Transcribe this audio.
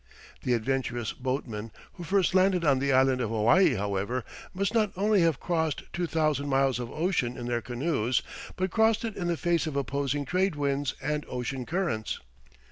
The adventurous boatmen who first landed on the island of Hawaii, however, must not only have crossed two thousand miles of ocean in their canoes but crossed it in the face of opposing trade winds and ocean currents.